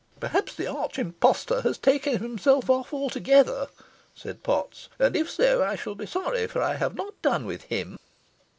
"Perhaps the arch impostor has taken himself off altogether," said Potts; "and if so, I shall be sorry, for I have not done with him."